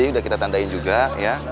udah kita tandain juga ya